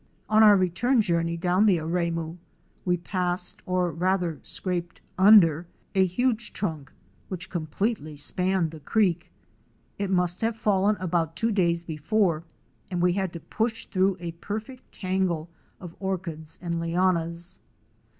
On our return journey down the Aremu we passed, or rather scraped under, a huge trunk which completely spanned the creek. It must have fallen about two days before and we had to push through a perfect tangle of orchids and lianas.